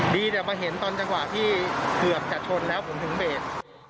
ดีแต่มาเห็นตอนจังหวะที่เกือบจะชนแล้วผมถึงเบรก